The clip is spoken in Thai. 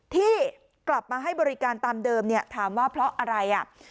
ที่กลับมาให้บริการตามเดิมเนี่ยถามว่าเพราะอะไรอ่ะ